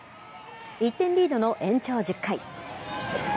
１点リードの延長１０回。